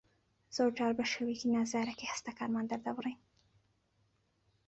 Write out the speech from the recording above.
زۆرجار بە شێوەی نازارەکی هەستەکانمان دەردەبڕین.